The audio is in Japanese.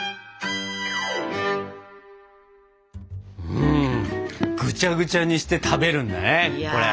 うんぐちゃぐちゃにして食べるんだねこれ。